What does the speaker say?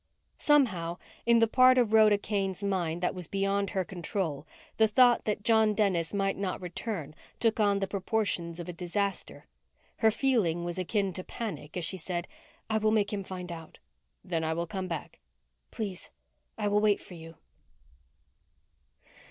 Somehow, in the part of Rhoda Kane's mind that was beyond her control, the thought that John Dennis might not return took on the proportions of a disaster. Her feeling was akin to panic as she said, "I will make him find out." "Then I will come back." "Please. I will wait for you."